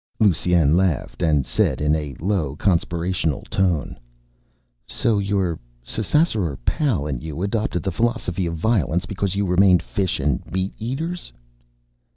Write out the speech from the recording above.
Lusine laughed and said in a low conspirational tone, "So your Ssassaror pal and you adopted the Philosophy of Violence because you remained fish and meat eaters?"